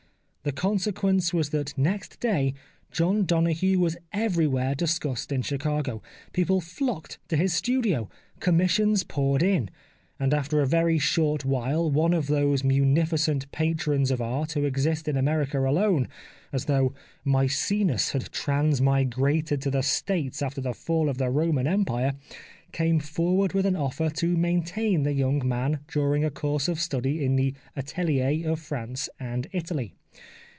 The conse quence was that next day John Donoghue was everywhere discussed in Chicago ; people flocked to his studio ; commissions poured in ; and after a very short while one of those munificent patrons of art who exist in America alone, as though Maecenas had transmigrated to the States after the Fall of the Roman Empire, came forward with an offer to maintain the young man during a course of study in the ateliers of France and Italy.